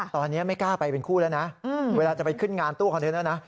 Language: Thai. ตอนนี้ไม่กล้าไปเป็นคู่แล้วนะเวลาจะไปขึ้นงานตู้คอนเทนเนอร์นะ